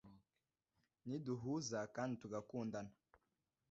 niduhuza kandi tugakundana,